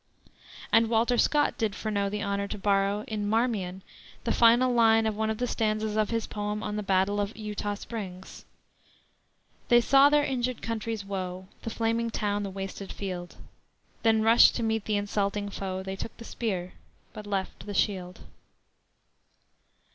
And Walter Scott did Freneau the honor to borrow, in Marmion, the final line of one of the stanzas of his poem on the battle of Eutaw Springs: "They saw their injured country's woe, The flaming town, the wasted field; Then rushed to meet the insulting foe; They took the spear, but left the shield."